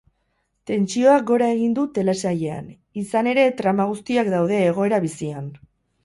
Tentsioak gora egin du telesailean, izan ere trama guztiak daude egoera bizian.